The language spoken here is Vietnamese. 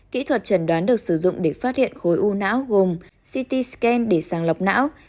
kỹ thuật trần đoán được sử dụng để phát hiện khối u não gồm ct scan để sàng lọc não